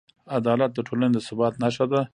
عدالت د ټولنې د ثبات نښه ده.